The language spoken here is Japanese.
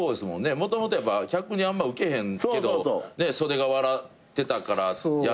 もともとやっぱ客にあんまウケへんけど袖が笑ってたからやっていけたって組ですもんね。